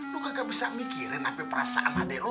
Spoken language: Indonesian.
lu kagak bisa mikirin apa perasaan adek lu